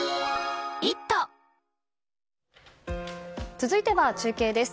続いては中継です。